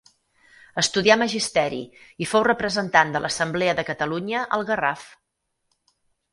Estudià magisteri i fou representant de l'Assemblea de Catalunya al Garraf.